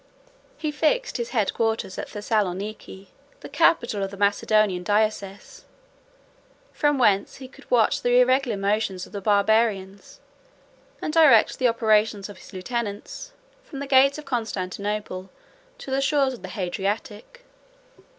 He fixed his head quarters at Thessalonica, the capital of the Macedonian diocese; 117 from whence he could watch the irregular motions of the Barbarians, and direct the operations of his lieutenants, from the gates of Constantinople to the shores of the Hadriatic.